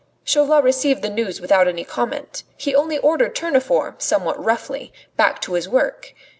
Chauvelin received the news without any comment; he only ordered Tournefort, somewhat roughly, back to his work.